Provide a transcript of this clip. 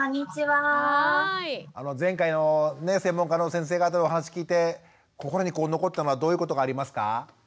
前回のね専門家の先生方のお話聞いて心に残ったのはどういうことがありますか？